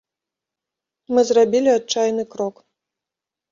Мы зрабілі адчайны крок.